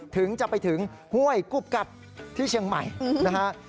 ถึงจะไปถึงห้วยกุบกัดที่เชียงใหม่นะฮะ